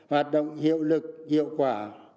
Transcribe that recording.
hoạt động hiệu lực hiệu quả